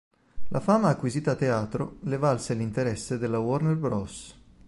La fama acquisita a teatro le valse l'interesse della Warner Bros.